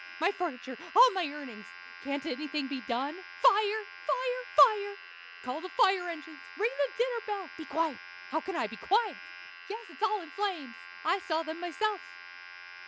my furniture! all my earnings! Can't anything be done? Fire! fire! fire! Call the fire engines! ring the dinner bell! Be quiet! How can I be quiet? Yes, it is all in flames. I saw them myself!